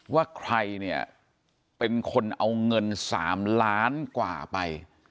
ว่าใครเนี่ยเป็นคนเอาเงิน๓ล้านกว่าไป